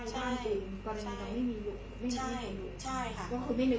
ใช่ครับ